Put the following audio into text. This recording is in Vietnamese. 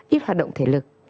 ít hoạt động thể lực